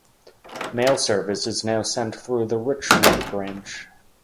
Mail service is now sent through the Richwood branch.